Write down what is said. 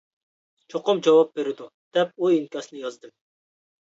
چوقۇم جاۋاب بېرىدۇ، دەپ ئۇ ئىنكاسنى يازدىم.